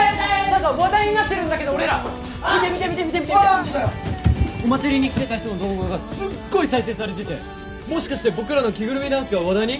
何か話題になってるんだけど俺ら見て見て見て見てお祭りに来てた人の動画がすっごい再生されててもしかして僕らの着ぐるみダンスが話題に？